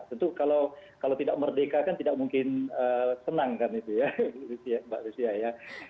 tentu kalau tidak merdeka kan tidak mungkin senang kan itu ya mbak lucia ya